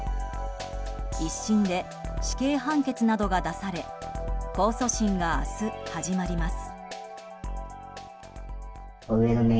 １審で死刑判決などが出され控訴審が明日、始まります。